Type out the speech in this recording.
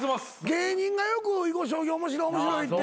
芸人がよく囲碁将棋面白い面白いって。